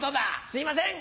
すいません！